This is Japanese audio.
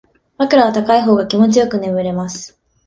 枕は高い方が気持ちよく眠れます